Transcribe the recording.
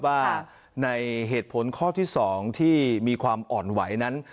ว่าในเหตุผลข้อที่๒ที่มีความอ่อนไหวนั้น